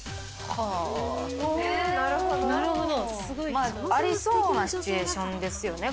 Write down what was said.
まあありそうなシチュエーションですよね